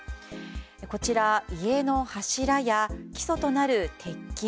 こちら、家の柱や基礎となる鉄筋